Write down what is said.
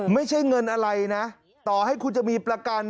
ไม่ใช่เงินอะไรนะต่อให้คุณจะมีประกัน